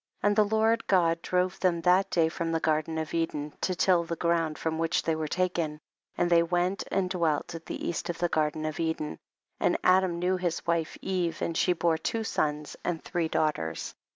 And the Lord God drove them that day from the garden of Eden, to till the ground from which they were taken, and they went and dwelt at the east of the garden of Eden ; and Adam knew his wife Eve and she bore two sons and three daughters.